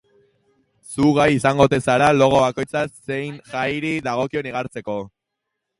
Zu gai izango ote zara logo bakoitza zein jairi dagokion igartzeko?